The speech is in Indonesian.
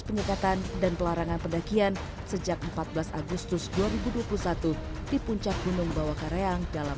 penyekatan dan pelarangan pendakian sejak empat belas agustus dua ribu dua puluh satu di puncak gunung bawah kareang dalam